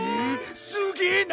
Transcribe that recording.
すげえな！